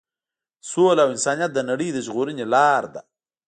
سوله او انسانیت د نړۍ د ژغورنې لار ده.